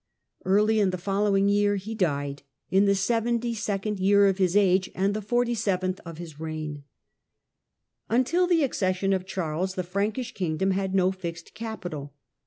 Early in the following year he died, in the seventy second year of his age and the forty seventh of his reign. Aachen Until the accession of Charles the Frankish kingdom had no fixed capital.